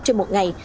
trên một ngày